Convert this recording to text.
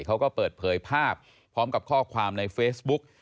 เขาก็เปิดเผยภาพพร้อมกับข้อความในเฟซบุ๊ก